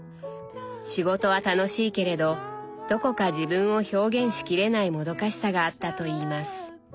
仕事は楽しいけれどどこか自分を表現しきれないもどかしさがあったといいます。